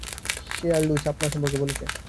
রে আর লুইস আমাদেরকে আপনার সম্পর্কে বলেছে।